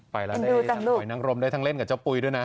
ไปแล้วได้ทั้งหอยนังรมได้ทั้งเล่นกับเจ้าปุ๋ยด้วยนะ